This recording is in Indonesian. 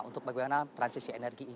untuk bagaimana transisi energi